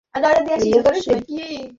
ছবিটির সংগীত পরিচালক হলেন কিরণ রবীন্দ্রনাথ।